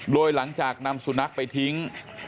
โดยหลังจากนำสุนัขไปทิ้ง